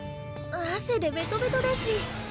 汗でベトベトだし。